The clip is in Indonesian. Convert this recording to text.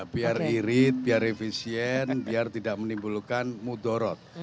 biar irit biar efisien biar tidak menimbulkan mudorot